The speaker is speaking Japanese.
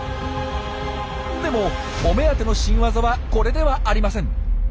でもお目当ての新ワザはこれではありません。